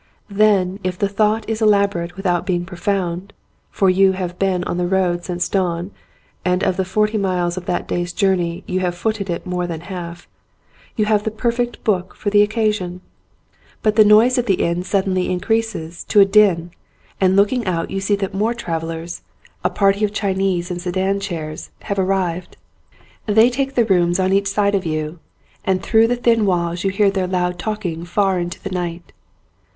Then if the thought is elaborate without being profound (for you have been on the road since dawn and of the forty miles of the day's journey you have footed it more than half) you have the perfect book for the occasion. But the noise in the inn suddenly increases to a din and looking out you see that more travellers, 42 THE INN a party of Chinese in sedan chairs, have arrived. They take the rooms on each side of you and through the thin walls you hear their loud talking far into the night.